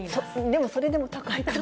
でもそれでも高いかな。